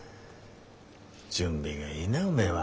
準備がいいなおめえは。